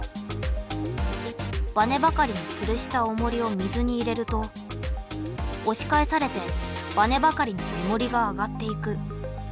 バネばかりにつるしたおもりを水に入れるとおし返されてバネばかりの目もりが上がっていく。